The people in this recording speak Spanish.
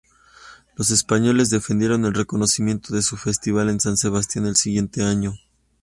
Los españoles defendieron el reconocimiento de un festival en San Sebastián el siguiente año.